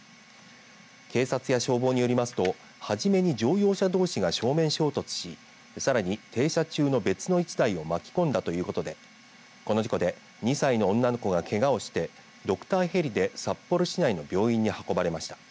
警察や消防によりますと初めに乗用車どうしが正面衝突しさらに停車中の別の１台を巻き込んだということでこの事故で２歳の女の子がけがをしてドクターヘリで札幌市内の病院に運ばれました。